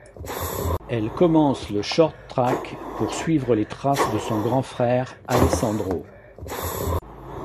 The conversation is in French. Elle commence le short-track pour suivre les traces de son grand frère, Alessandro.